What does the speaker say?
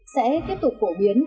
sẽ tiếp tục phổ biến